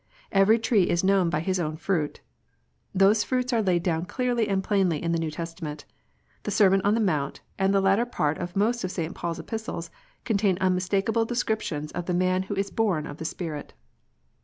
" Every tree is known by his own fruit." Those fruits are laid down clearly and plainly in the New Testament. The Sermon on the Mount, and the latter part of most of St. Paul s Epistles, contain unmistakable descrip tions of the man who is born of the Spirit.